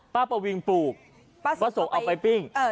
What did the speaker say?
ป้าประวิงปลูกสูงเอาไปปิ้ง